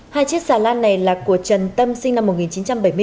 hai chiếc xà lan này là của trần tâm sinh năm một nghìn chín trăm bảy mươi bốn